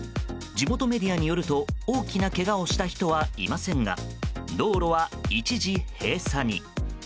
地元メディアによると大きなけがをした人はいませんが道路は一時閉鎖に。